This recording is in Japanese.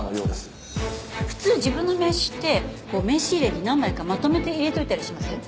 普通自分の名刺って名刺入れに何枚かまとめて入れといたりしません？